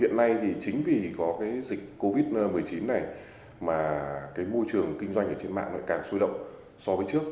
hiện nay thì chính vì có cái dịch covid một mươi chín này mà cái môi trường kinh doanh ở trên mạng càng sôi động so với trước